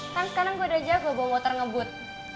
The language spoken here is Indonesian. kan sekarang gue udah jago bawa motor ngebut